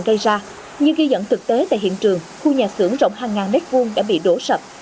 xảy ra như ghi dẫn thực tế tại hiện trường khu nhà xưởng rộng hàng ngàn nét vuông đã bị đổ sập